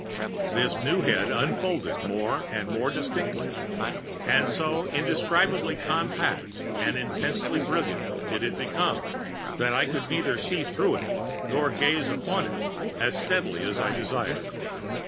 This new head unfolded more and more distinctly, and so indescribably compact and intensely brilliant did it become, that I could neither see through it, nor gaze upon it as steadily as I desired.